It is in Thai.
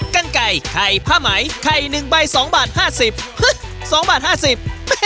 กันไก่ไข่ผ้าไหมไข่หนึ่งใบสองบาทห้าสิบสองบาทห้าสิบ